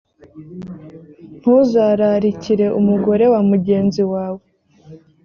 ntuzararikire umugore wa mugenzi wawe.